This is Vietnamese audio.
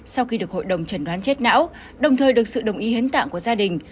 sau khi được hội đồng trần đoán chết não đồng thời được sự đồng ý hiến tạng của gia đình